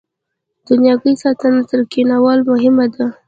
د نیالګي ساتنه تر کینولو مهمه ده؟